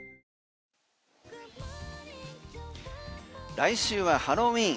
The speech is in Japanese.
来週はハロウィーン